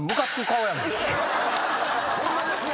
ホンマですね。